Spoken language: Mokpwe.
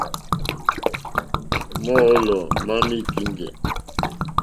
Mɔ́ɔ̌lɔ̀ má má í kíŋɡɛ̀.